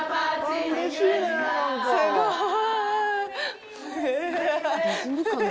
すごーい。